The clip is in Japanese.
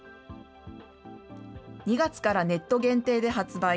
２月からネット限定で発売。